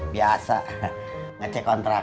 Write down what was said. biasa ngecek kontrakan